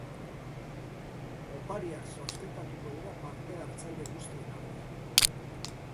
Opariak zozketatuko dira parte-hartzaile guztien artean.